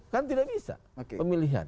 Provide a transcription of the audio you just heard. kan tidak bisa pemilihan